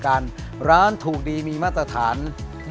กับทางร้านและพาร์ทเนอร์